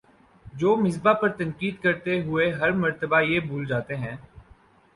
جو مصباح پر تنقید کرتے ہوئے ہر مرتبہ یہ بھول جاتے ہیں